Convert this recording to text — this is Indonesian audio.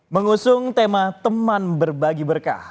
mengusung tema teman berbagi berkah